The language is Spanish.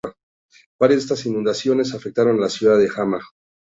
Varias de estas inundaciones afectaron a la ciudad de Hamar.